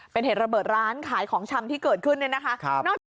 เป็นเหตุระเบิดร้านขายของชำที่เกิดขึ้นเนี่ยนะคะ